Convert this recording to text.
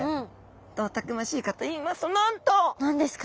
どうたくましいかといいますとなんと！何ですか？